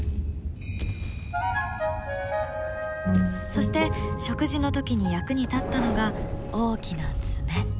そして食事の時に役に立ったのが大きな爪。